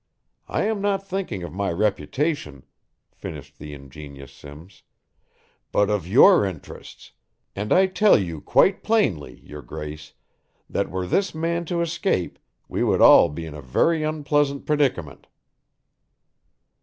I am not thinking of my reputation," finished the ingenuous Simms, "but of your interests, and I tell you quite plainly, your Grace, that were this man to escape we would all be in a very unpleasant predicament."